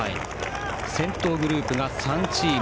先頭グループが３チーム。